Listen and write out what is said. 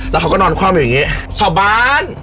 แล้วเขาก็นอนคว่ำอยู่อย่างนี้ชาวบ้าน